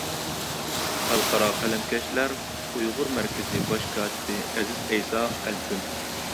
خەلقئارا قەلەمكەشلەر ئۇيغۇر مەركىزى باش كاتىپى ئەزىز ئەيسا ئەلكۈن.